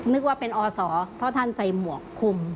นึกว่าเป็นอศเพราะท่านใส่หมวกคุม